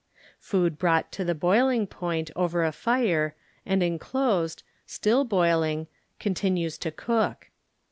Food brought to the boiling point over a fire, and inclosed, still boiling, MOttnues to cook.